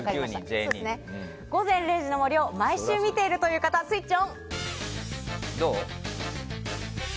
「午前０時の森」を毎週見ているという方スイッチオン！